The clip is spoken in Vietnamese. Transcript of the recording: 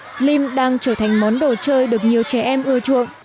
slim đang trở thành món đồ chơi được nhiều trẻ em ưa chuộng